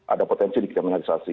ada potensi dikriminalisasi